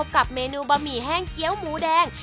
กับเมนูบะหมี่แห้งเกี้ยวหมูแดง